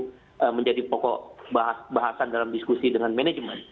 jadi itu gak perlu menjadi pokok bahasan dalam diskusi dengan manajemen